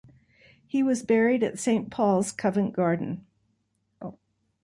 He was buried at Saint Paul's church, Covent Garden.